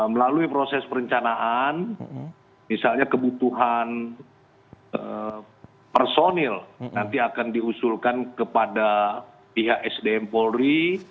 melalui proses perencanaan misalnya kebutuhan personil nanti akan diusulkan kepada pihak sdm polri